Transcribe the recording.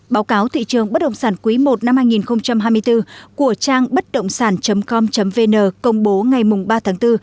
báo cáo thị trường bất động sản quý i năm hai nghìn hai mươi bốn của trang bấtđộngsản com vn công bố ngày ba tháng bốn